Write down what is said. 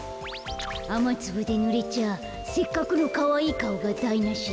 あまつぶでぬれちゃせっかくのかわいいかおがだいなしだよ。